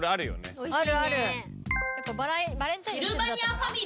おいしいね。